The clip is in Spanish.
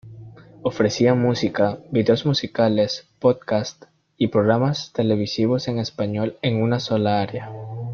Ofrecía música, videos musicales, podcasts y programas televisivos en español en una sola área.